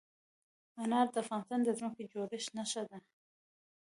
انار د افغانستان د ځمکې د جوړښت نښه ده.